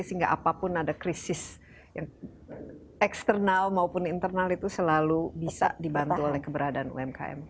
sehingga apapun ada krisis eksternal maupun internal itu selalu bisa dibantu oleh keberadaan umkm